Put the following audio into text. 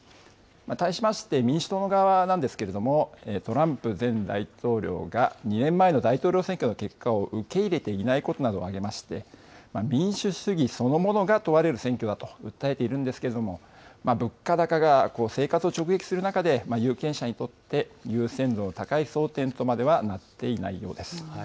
対しまして民主党の側なんですけれども、トランプ前大統領が２年前の大統領選挙の結果を受け入れていないことなどをあげまして、民主主義そのものが問われる選挙だと訴えているんですけれども、物価高が生活を直撃する中で、有権者にとって優先度の高い争点とまではなっていないようです。